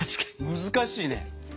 難しいね。